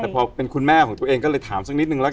แต่พอเป็นคุณแม่ของตัวเองก็เลยถามสักนิดนึงแล้วกัน